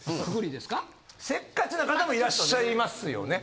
せっかちな方もいらっしゃいますよね？